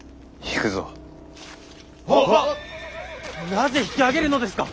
なぜ引き揚げるのですか！